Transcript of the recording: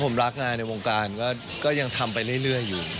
ผมรักงานในวงการก็ยังทำไปเรื่อยอยู่